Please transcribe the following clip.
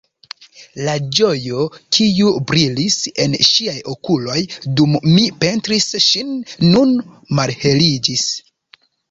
La ĝojo, kiu brilis en ŝiaj okuloj, dum mi pentris ŝin, nun malheliĝis.